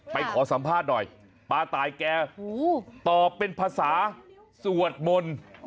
ขอสัมภาษณ์หน่อยป้าตายแกตอบเป็นภาษาสวดมนต์